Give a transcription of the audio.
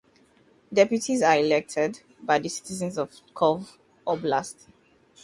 Deputies are elected by the citizens of Pskov Oblast.